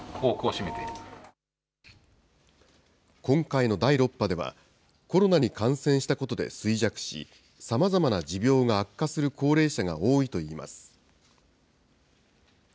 今回の第６波では、コロナに感染したことで衰弱し、さまざまな持病が悪化する高齢者が多いといいます。